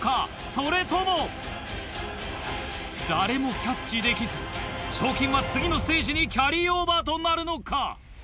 それとも誰もキャッチできず賞金は次のステージにキャリーオーバーとなるのか？